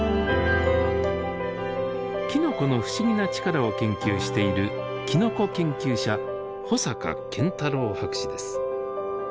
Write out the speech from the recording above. きのこの不思議な力を研究しているきのこ研究者保坂健太郎博士です。